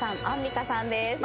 アンミカさんです。